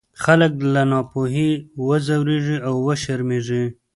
خلک له ناپوهۍ وځورېږي او وشرمېږي.